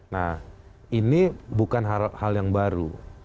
nah ini bukan hal yang baru